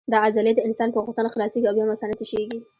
دا عضلې د انسان په غوښتنه خلاصېږي او بیا مثانه تشېږي.